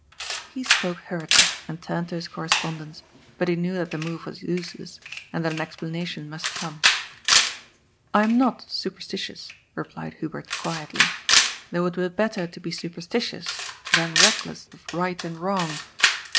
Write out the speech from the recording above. He spoke hurriedly and turned to his correspondence, but he knew that the moye was useless, and that an explanation must come. " I am not superstitious," replied Hubert quietly, " though it were better to be superstitious than reckless of right and wrong.